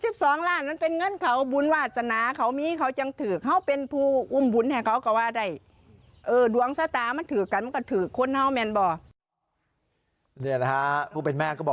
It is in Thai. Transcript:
เดี๋ยวนะคะผู้เป็นแม่ก็บอก